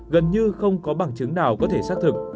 gần như không có bằng chứng nào có thể xác thực